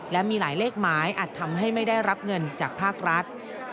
และมีหลายเลขหมายอาจทำให้ไม่ได้รับเงินจากภาครัฐ